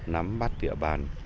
nắm bắt địa bàn